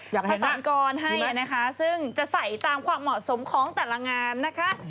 อยากเห็นมั้ยดีมั้ยนะคะซึ่งจะใส่ตามความเหมาะสมของแต่ละงานนะคะ